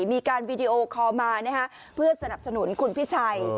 มีการวีดีโอคอลมาเพื่อสนับสนุนคุณพิชัย